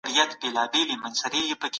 سم نیت کار نه کموي.